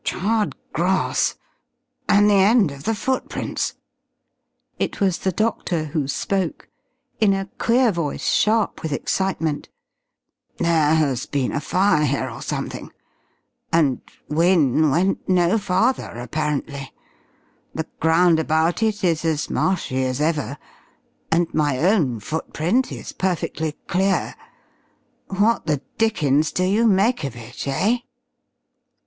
"Charred grass. And the end of the footprints!" It was the doctor who spoke in a queer voice sharp with excitement. "There has been a fire here or something. And Wynne went no farther, apparently. The ground about it is as marshy as ever, and my own footprint is perfectly clear.... What the dickens do you make of it, eh?"